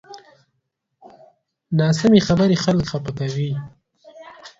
ناسمې خبرې خلک خفه کوي